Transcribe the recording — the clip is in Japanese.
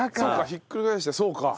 ひっくり返してそうか。